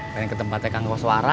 pengen ke tempatnya kangkau suara